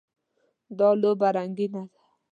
دا لوبه رنګینه ده.